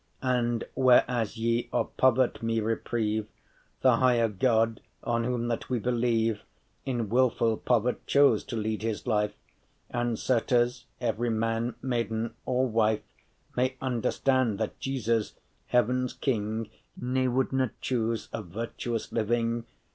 *forsake “And whereas ye of povert’ me repreve,* *reproach The highe God, on whom that we believe, In wilful povert’ chose to lead his life: And certes, every man, maiden, or wife May understand that Jesus, heaven’s king, Ne would not choose a virtuous living.